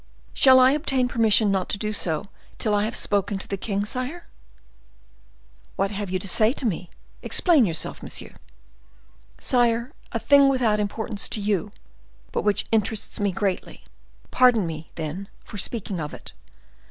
"Shall I obtain permission not to do so till I have spoken to the king, sire?" "What do you have to say to me? Explain yourself, monsieur." "Sire, a thing without importance to you, but which interests me greatly. Pardon me, then, for speaking of it.